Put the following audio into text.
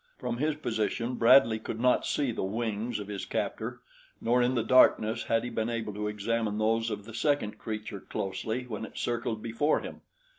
From his position Bradley could not see the wings of his captor, nor in the darkness had he been able to examine those of the second creature closely when it circled before him.